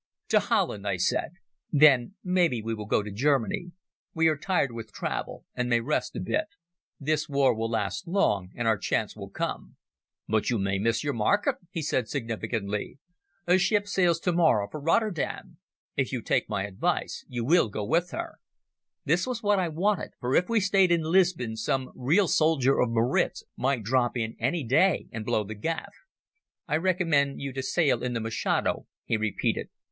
"To Holland," I said. "Then maybe we will go to Germany. We are tired with travel and may rest a bit. This war will last long and our chance will come." "But you may miss your market," he said significantly. "A ship sails tomorrow for Rotterdam. If you take my advice, you will go with her." This was what I wanted, for if we stayed in Lisbon some real soldier of Maritz might drop in any day and blow the gaff. "I recommend you to sail in the Machado," he repeated.